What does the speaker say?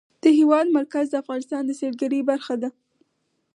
د هېواد مرکز د افغانستان د سیلګرۍ برخه ده.